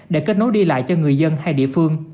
để kết nối đi lại cho người dân hai địa phương